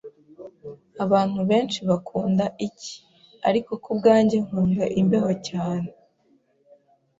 Abantu benshi bakunda icyi, ariko kubwanjye, nkunda imbeho cyane.